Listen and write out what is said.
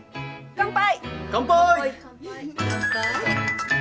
乾杯。